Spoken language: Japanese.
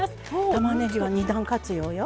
たまねぎは２段活用よ。